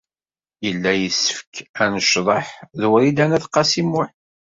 Yella yessefk ad necḍeḥ ed Wrida n At Qasi Muḥ.